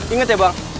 ingat ya bang